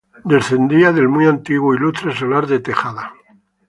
Descendía del muy antiguo e ilustre Solar de Tejada.